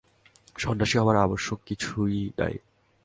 সন্ন্যাসী হবার আবশ্যক কিছুই নাই।